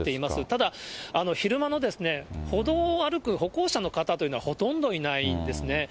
ただ、昼間の歩道を歩く歩行者の方というのは、ほとんどいないんですね。